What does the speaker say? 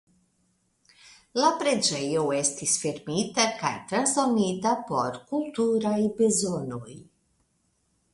La la preĝejo estis fermita kaj transdonita por kulturaj bezonoj.